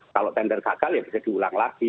kalau tender gagal ya bisa diulang lagi